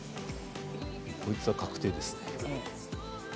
こちらは確定ですね。